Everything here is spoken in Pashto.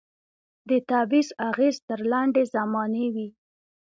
د تعویذ اغېز تر لنډي زمانې وي